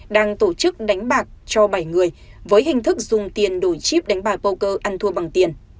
đang tổ chức đánh bạc cho bảy người với hình thức dùng tiền đổi chip đánh bài poker ăn thua bằng tiền